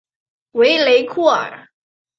维雷库尔。